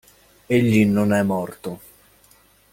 Egli non è morto.